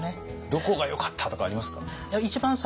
どこがよかったとかありますか？